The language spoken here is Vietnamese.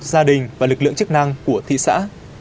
gia đình và lực lượng chức năng của thị xã